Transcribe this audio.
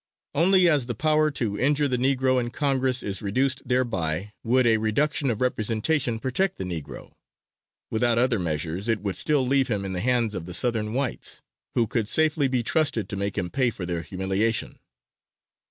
Only as the power to injure the Negro in Congress is reduced thereby, would a reduction of representation protect the Negro; without other measures it would still leave him in the hands of the Southern whites, who could safely be trusted to make him pay for their humiliation.